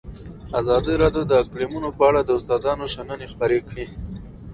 ازادي راډیو د اقلیتونه په اړه د استادانو شننې خپرې کړي.